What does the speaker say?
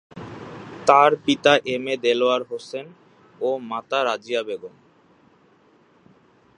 তার পিতা A M Delwar Hossain ও মাতা রাজিয়া বেগম।